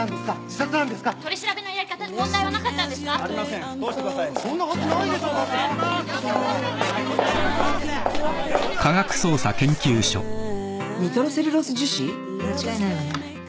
間違いないわね。